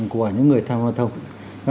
của những người tham vật thông